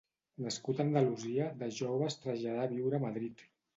Nascut a Andalusia, de jove es traslladà a viure a Madrid.